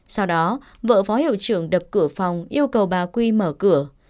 sau đó vợ phó hiệu trưởng đập cửa phòng yêu cầu bà quy mở cửa